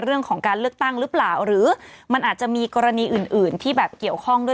เรื่องของการเลือกตั้งหรือเปล่าหรือมันอาจจะมีกรณีอื่นอื่นที่แบบเกี่ยวข้องด้วย